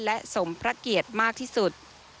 และสมพระเกียรติมากที่สุด